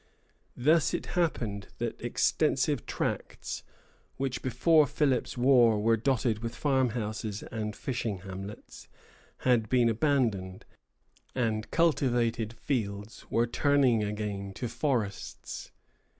Thus it happened that extensive tracts, which before Philip's War were dotted with farmhouses and fishing hamlets, had been abandoned, and cultivated fields were turning again to forests.